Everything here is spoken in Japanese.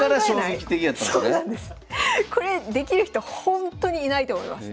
これできる人ほんとにいないと思います。